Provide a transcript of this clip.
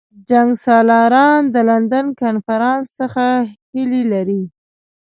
جنګسالاران د لندن کنفرانس څخه هیلې لري.